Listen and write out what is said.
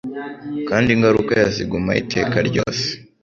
kandi ingaruka yazo igumaho iteka ryose.